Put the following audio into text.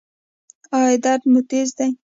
ایا درد مو تېز دی؟